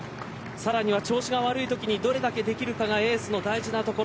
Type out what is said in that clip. さらには調子が悪いときにどれだけできるかがエースの大事なところ。